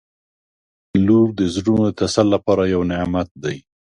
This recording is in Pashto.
• لور د زړونو د تسل لپاره یو نعمت دی.